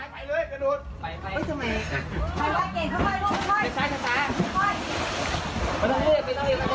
เกิดขึ้นครับ